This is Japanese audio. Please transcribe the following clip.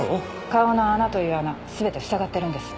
⁉顔の穴という穴全てふさがってるんです。